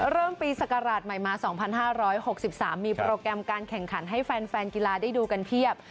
เริ่มปีศักราชใหม่มา๒๕๖๓มีโปรแกรมการแข่งขันให้แฟนกีฬาได้ดูกันเพียบ